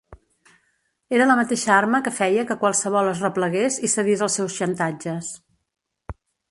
Era la mateixa arma que feia que qualsevol es replegués i cedís als seus xantatges.